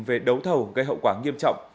về đấu thầu gây hậu quả nghiêm trọng